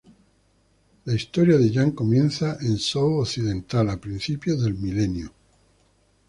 La historia de Yan comienza en Zhou Occidental a principios del I milenio a.